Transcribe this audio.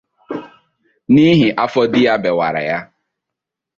n'ihi afọ di ya bèwàrà ya